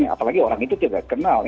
apalagi orang itu tidak kenal